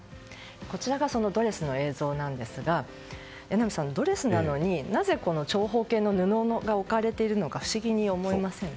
こちらがそのドレスの映像なんですが榎並さん、ドレスなのになぜ長方形の布が置かれているのか不思議に思いませんか？